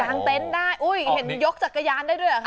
เต็นต์ได้อุ้ยเห็นยกจักรยานได้ด้วยเหรอคะ